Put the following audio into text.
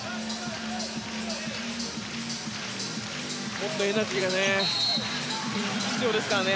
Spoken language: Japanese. もっとエナジーが必要ですからね。